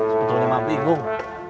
sebetulnya mah bingung